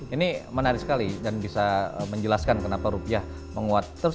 ini menarik sekali dan bisa menjelaskan kenapa rupiah menguat terus